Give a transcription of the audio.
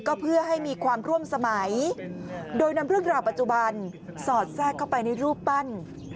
ก็เพื่อให้มีความร่วมสมัยโดยนำเรื่องราวปัจจุบันสอดแทรกเข้าไปในรูปปั้น